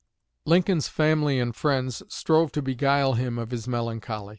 Lincoln's family and friends strove to beguile him of his melancholy.